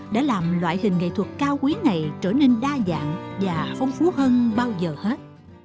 đã làm loại hình nghệ thuật cao quý này trở nên đa dạng và phong phú hơn bao giờ hết